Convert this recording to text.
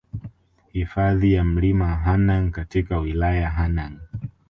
Hifadhi ya Mlima Hanang katika wilaya Hanang